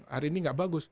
hari ini gak bagus